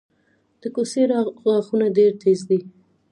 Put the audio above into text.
د کوسې غاښونه ډیر تېز دي